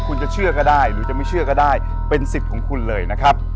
คุณจะเชื่อก็ได้หรือจะไม่เชื่อก็ได้เป็นสิทธิ์ของคุณเลยนะครับ